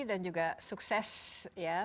dan juga sukses ya